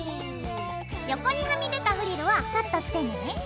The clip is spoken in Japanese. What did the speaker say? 横にはみ出たフリルはカットしてね。